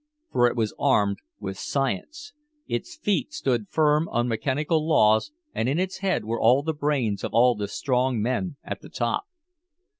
For it was armed with Science, its feet stood firm on mechanical laws and in its head were all the brains of all the strong men at the top.